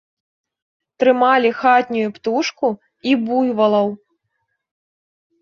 Трымалі хатнюю птушку і буйвалаў.